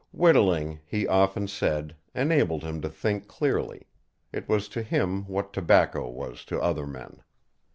Whittling, he often said, enabled him to think clearly; it was to him what tobacco was to other men.